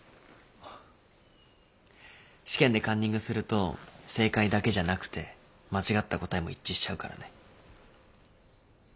試験でカンニングすると正解だけじゃなくて間違った答えも一致しちゃうからね。